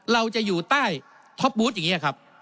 เราจะอยู่ใต้ท็อปบูธอย่างนี้ครับ